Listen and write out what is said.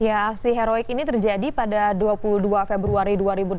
ya aksi heroik ini terjadi pada dua puluh dua februari dua ribu delapan belas